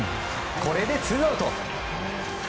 これでツーアウト。